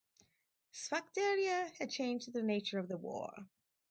Sphacteria had changed the nature of the war.